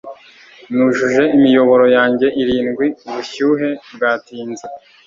Nujuje imiyoboro yanjye irindwi ubushyuhe bwatinze